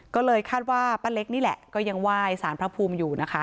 ก็เลยคาดว่าป้าเล็กนี่แหละก็ยังไหว้สารพระภูมิอยู่นะคะ